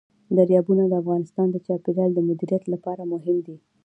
دریابونه د افغانستان د چاپیریال د مدیریت لپاره مهم دي.